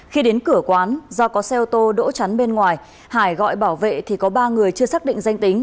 khi đến cửa quán do có xe ô tô đỗ chắn bên ngoài hải gọi bảo vệ thì có ba người chưa xác định danh tính